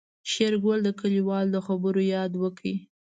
شېرګل د کليوال د خبرو ياد وکړ.